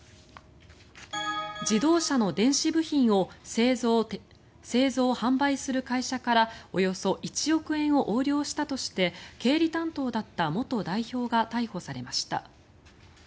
自動車の電子部品を製造・販売する会社からおよそ１億円を横領したとして経理担当だった元代表が逮捕されました。